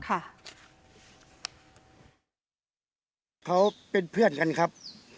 เขาเป็นเพื่อนกันครับ